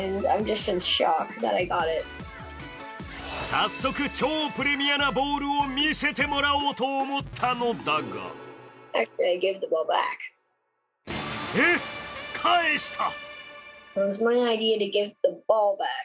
早速、超プレミアなボールを見せてもらおうと思ったのだがえっ、返した！？